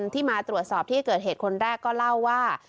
ที่มาตรวจสอบที่เกิดเหตุคนแรกก็เล่าว่า